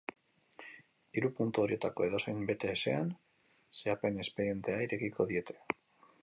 Hiru puntu horietako edozein bete ezean, zehapen-espedientea irekiko diete.